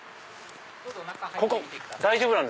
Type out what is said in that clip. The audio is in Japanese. ここ大丈夫なんですか？